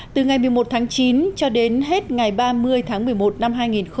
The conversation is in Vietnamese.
từ ngày một mươi một tháng chín cho đến hết ngày ba mươi tháng một mươi một năm hai nghìn một mươi chín